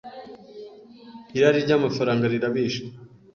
irari ry’amafaranga rirabishe